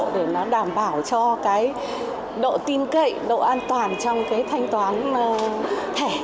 để đảm bảo cho độ tin cậy độ an toàn trong thanh toán thẻ